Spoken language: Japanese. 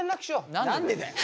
何でだよ。